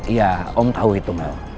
iya om tau itu mel